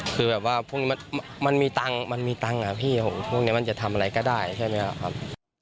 คือแบบว่าพวกนี้มันมีตังค์พวกนี้มันจะทำอะไรก็ได้ใช่ไหมครับครับ